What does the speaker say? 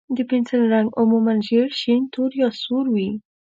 د پنسل رنګ عموماً ژېړ، شین، تور، یا سور وي.